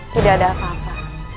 tidak ada apa apa